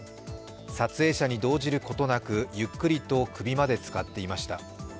撮影者に動じることなくゆっくりと首までつかっていました。